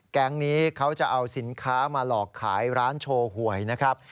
แก๊งนี้เขาจะเอาสินค้ามาหลอกขายร้านโชว์หวยนะครับ